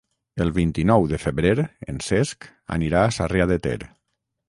El vint-i-nou de febrer en Cesc anirà a Sarrià de Ter.